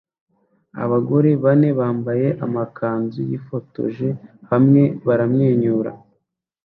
Abagore bane bambaye amakanzu yifotoje hamwe baramwenyura